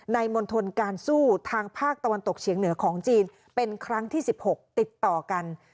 มณฑลการสู้ทางภาคตะวันตกเฉียงเหนือของจีนเป็นครั้งที่๑๖ติดต่อกัน